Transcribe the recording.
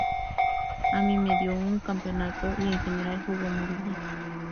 A mí me dio un campeonato y en general jugó muy bien.